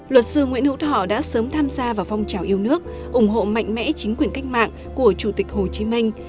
luật sư nguyễn hữu thọ đã sớm tham gia vào phong trào yêu nước ủng hộ mạnh mẽ chính quyền cách mạng của chủ tịch hồ chí minh